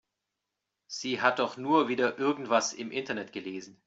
Sie hat doch nur wieder irgendwas im Internet gelesen.